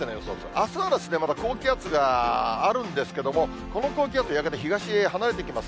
あすはまだ高気圧があるんですけども、この高気圧がやがて東へ離れていきます。